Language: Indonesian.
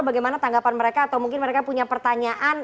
bagaimana tanggapan mereka atau mungkin mereka punya pertanyaan